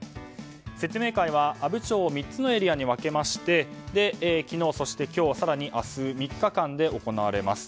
説明会は、阿武町を３つのエリアに分けまして昨日、そして今日、更に明日３日間で行われます。